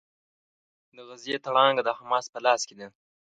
د غزې تړانګه د حماس په لاس کې ده.